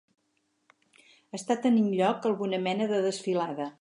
Està tenint lloc alguna mena de desfilada.